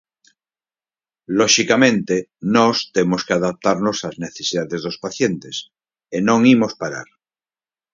Loxicamente, nós temos que adaptarnos ás necesidades dos pacientes, e non imos parar.